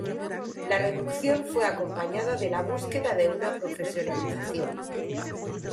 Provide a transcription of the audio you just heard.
La reducción fue acompañada de la búsqueda de una profesionalización.